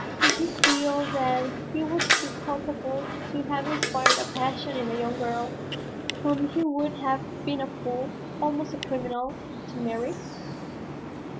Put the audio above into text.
Did he feel that he was too culpable to have inspired a passion in a young girl whom he would have been a fool, almost a criminal, to marry?